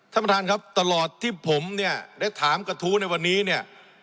ท่านประธานครับตลอดที่ผมเนี่ยได้ถามกระทู้ในวันนี้เนี่ย